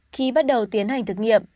khi bắt đầu tiến hành thực nghiệm